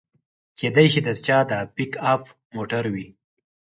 کیدای شي دا د چا د پیک اپ موټر وي